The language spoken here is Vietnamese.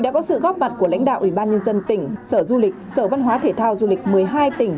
đã có sự góp mặt của lãnh đạo ủy ban nhân dân tỉnh sở du lịch sở văn hóa thể thao du lịch một mươi hai tỉnh